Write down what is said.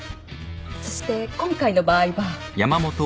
そして今回の場合は。